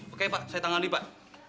oke pak saya tangan di pak